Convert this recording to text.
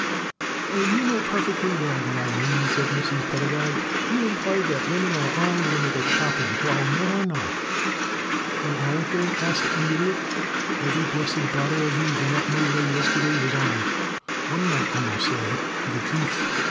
"O you know perfectly well what I mean," said Mrs. Pedagog. "You implied that women are armed when they go shopping, while men are not." "Well, aren't they?" asked the Idiot. "Every blessed daughter of Eve in that mêlée yesterday was armed, one might almost say, to the teeth.